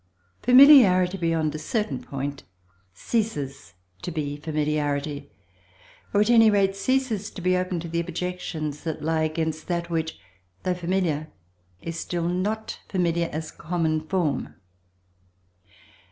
Familiarity beyond a certain point ceases to be familiarity, or at any rate ceases to be open to the objections that lie against that which, though familiar, is still not familiar as common form.